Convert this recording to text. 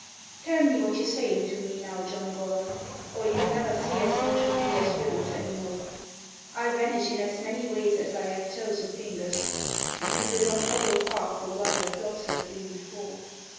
"Tell me what you're saying to me now, John Gorham, Or you'll never see as much of me as ribbons any more; I'll vanish in as many ways as I have toes and fingers, And you'll not follow far for one where flocks have been before."